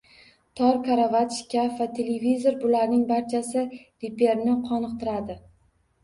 Tor karavot, shkaf va televizor – bularning barchasi reperni qoniqtiradi